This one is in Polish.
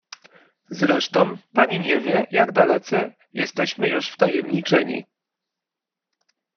"Zresztą, pani nie wie, jak dalece jesteśmy już wtajemniczeni“."